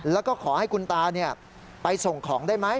แล้วก็ขอให้คุณตาไปส่งของได้ไหม